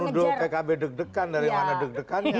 jangan duduk pkb deg dekan dari mana deg dekannya